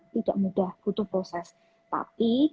tidak mudah butuh proses tapi